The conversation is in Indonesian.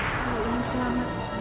kalau ingin selamat